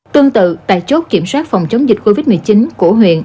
tương tự tại chốt kiểm soát phòng chống dịch covid một mươi chín của huyện